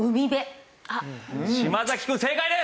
島崎くん正解です！